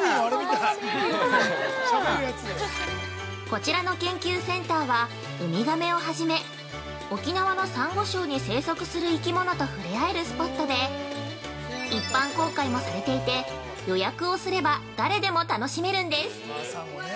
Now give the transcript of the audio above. ◆こちらの研究センターは、ウミガメをはじめ、沖縄のサンゴ礁に生息する生き物と触れ合えるスポットで、一般公開もされていて、予約をすれば、誰でも楽しめるんです。